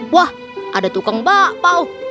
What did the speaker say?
wah ada tukang bakpao